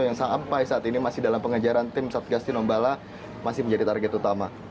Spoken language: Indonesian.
yang sampai saat ini masih dalam pengejaran tim satgas tinombala masih menjadi target utama